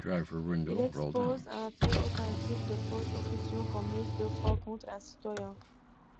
Il expose un fait authentique de fausses accusations commises deux fois contre un citoyen.